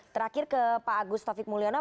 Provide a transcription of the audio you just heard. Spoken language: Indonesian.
terakhir ke pak agus taufik mulyono